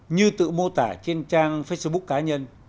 như tự mô tả trên trang facebook cá nhân